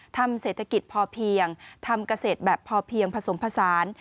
ทำเศรษฐกิจพอเพียงทำเกษตรแบบพอเพียงผสมผสาน